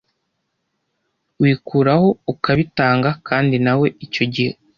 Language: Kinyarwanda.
wikuraho ukabitanga kandi nawe icyo gihe